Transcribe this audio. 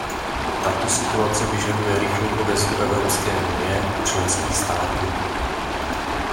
Tato situace vyžaduje rychlou odezvu Evropské unie a členských států.